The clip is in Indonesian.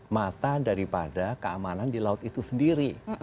mata daripada keamanan di laut itu sendiri